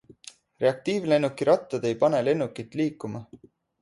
Reaktiivlennuki rattad ei pane lennukit liikuma.